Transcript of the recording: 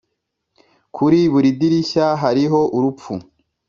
kuri buri dirishya hariho urupfu;